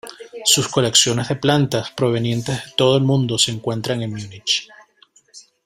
Sus colecciones de plantas provenientes de todo el mundo se encuentran en Múnich.